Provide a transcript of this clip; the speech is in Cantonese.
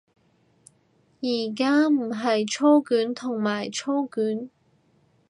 而唔係操卷同埋操卷